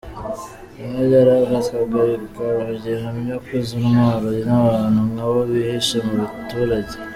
Bimwe byarafatwaga bikaba gihamya ko izo ntwaro n’abantu nkabo bihishe mu baturage.